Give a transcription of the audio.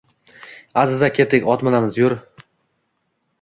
— Аziza, ketdik, ot minamiz, yur!